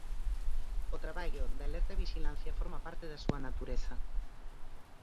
O traballo de alerta e vixilancia forma parte da súa natureza.